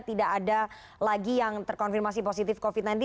tidak ada lagi yang terkonfirmasi positif covid sembilan belas